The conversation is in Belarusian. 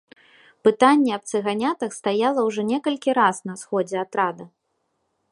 Пытанне аб цыганятах стаяла ўжо некалькі раз на сходзе атрада.